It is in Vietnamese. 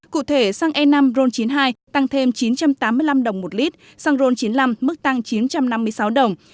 cụ thể xăng e năm ron chín mươi hai tăng thêm chín trăm tám mươi năm đồng một lít xăng ron chín mươi năm mức tăng chín trăm năm mươi sáu đồng